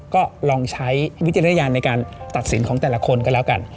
ก็ลองใช้วิจารณญาณในการตัดสินของแต่ละคนก็แล้วกัน